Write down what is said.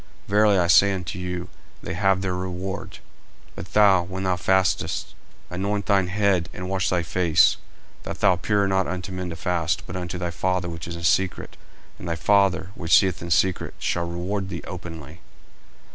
Verily I say unto you, They have their reward. 40:006:017 But thou, when thou fastest, anoint thine head, and wash thy face; 40:006:018 That thou appear not unto men to fast, but unto thy Father which is in secret: and thy Father, which seeth in secret, shall reward thee openly.